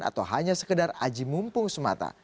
atau hanya sekedar aji mumpung semata